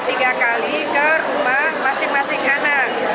tiga kali ke rumah masing masing anak